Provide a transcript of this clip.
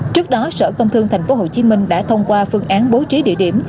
trước đó sở công thương tp hcm đã thông qua phương án bố trí địa điểm